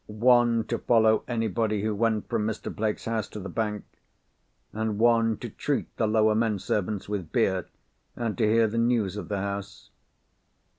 One to follow anybody who went from Mr. Blake's house to the bank. And one to treat the lower men servants with beer, and to hear the news of the house.